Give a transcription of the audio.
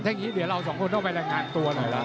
บ๊วยบ๊วยบ๊วยเดี๋ยวเราสองคนต้องไปรังงานตัวหน่อยล่ะ